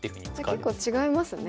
じゃあ結構違いますね。